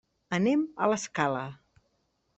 Anem a l'Escala.